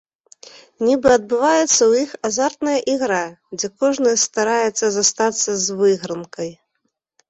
Нібы адбываецца ў іх азартная ігра, дзе кожны стараецца застацца з выйгранкай.